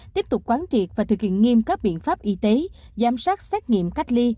tiếp tục quán triệt và thực hiện nghiêm các biện pháp y tế giám sát xét nghiệm cách ly